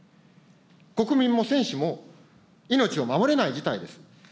国民も選手も、命を守れない事態です。